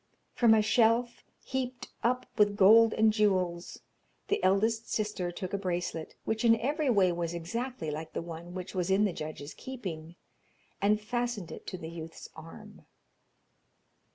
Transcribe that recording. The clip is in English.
From a shelf heaped up with gold and jewels the eldest sister took a bracelet, which in every way was exactly like the one which was in the judge's keeping, and fastened it to the youth's arm.